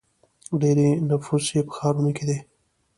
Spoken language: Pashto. ډیری نفوس یې په ښارونو کې دی.